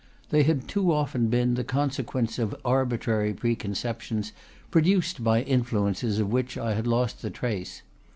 They had too often been the consequence of arbitrary preconceptions, produced by influences of which I had lost the trace.